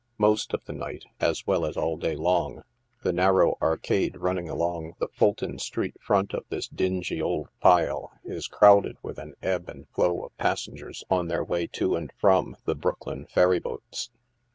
Most of ihe night, as well as all day long, the narrow arcade running along the Fulton street front of this dingy old pile, is crowded with an ebb and flow of passengers on their way to and from the Brooklyn ferry boats.